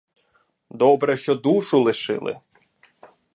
Добре, що душу лишили.